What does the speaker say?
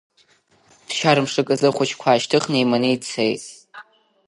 Ԥсшьара мшык азы ахәыҷқәа аашьҭыхны еиманы ицеит.